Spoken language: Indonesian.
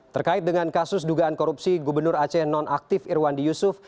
terkait dengan kasus dugaan korupsi gubernur aceh nonaktif irwandi yusuf